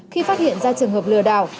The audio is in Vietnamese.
khi phát hiện ra trường hợp lừa đảo